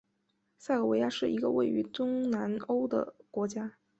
塞尔维亚是一个位于东南欧的国家。